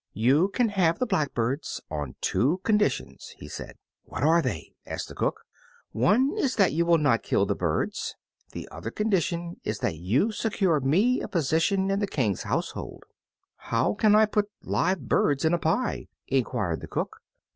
"You can have the blackbirds on two conditions," he said. "What are they?" asked the cook. "One is that you will not kill the birds. The other condition is that you secure me a position in the King's household." "How can I put live birds in a pie?" enquired the cook.